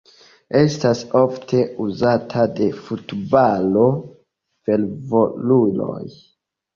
Estas ofte uzata de futbalo-fervoruloj.